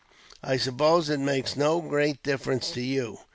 "I suppose it makes no great difference to you."